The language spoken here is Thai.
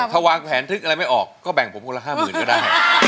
ถ้าวางแผนทึกอะไรไม่ออกก็แบ่งผมคนละ๕๐๐๐ก็ได้